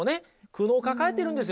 苦悩を抱えてるんですよ